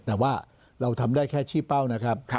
แต่ว่าเราทำได้แค่ชี้เป้านะครับ